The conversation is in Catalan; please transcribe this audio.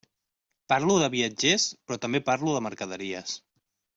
Parlo de viatgers, però també parlo de mercaderies.